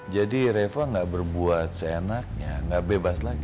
jadi reva enggak berbuat seenaknya enggak bebas lagi